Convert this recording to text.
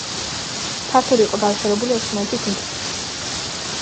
ფართოდ იყო გავრცელებული ოსმალეთის იმპერიაში.